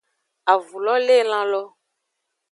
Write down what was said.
Avu lo le elan lo.